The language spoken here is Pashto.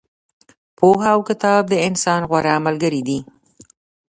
پوهه او کتاب د انسان غوره ملګري دي.